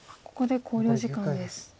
ここで考慮時間です。